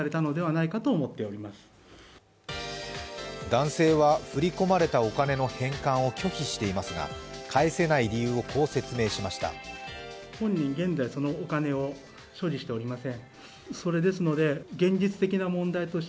男性は振り込まれたお金の返還を拒否していますが返せない理由を、こう説明しました町は全額の返還を求め男性を提訴しています。